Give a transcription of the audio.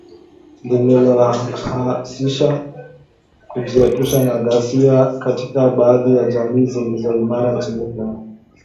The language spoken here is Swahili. linalohamasisha kujiepusha na ghasia katika baadhi ya jamii zilizo imara nchini humo